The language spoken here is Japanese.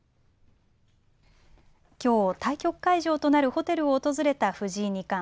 きょう、対局会場となるホテルを訪れた藤井二冠。